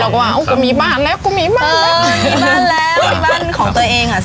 เราก็ว่าโอ้โหก็มีบ้านแล้วก็มีบ้านแล้วเออมีบ้านแล้วมีบ้านของตัวเองอ่ะ